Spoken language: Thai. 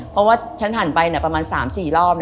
เพราะว่าฉันหันไปประมาณ๓๔รอบ